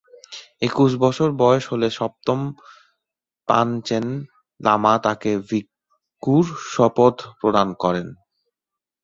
একুশ বছর বয়স হলে সপ্তম পাঞ্চেন লামা তাকে ভিক্ষুর শপথ প্রদান করেন।